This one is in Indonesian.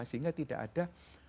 sehingga tidak ada